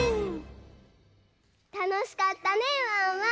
たのしかったねワンワン。